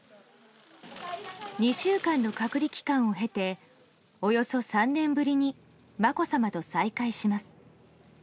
２週間の隔離期間を経ておよそ３年ぶりにまこさまと再会します。